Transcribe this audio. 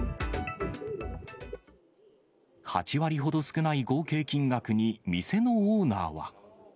８割ほど少ない合計金額に、店のオーナーは。